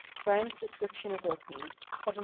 —(Brand's Description of Orkney, Edin.